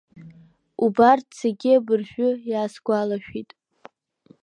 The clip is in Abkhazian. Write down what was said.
Убарҭ зегьы абыржәы иаасгәалашәеит.